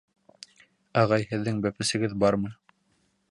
— Ағай, һеҙҙең бәпесегеҙ бармы?